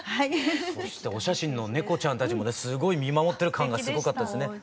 そしてお写真の猫ちゃんたちもねすごい見守ってる感がすごかったですね。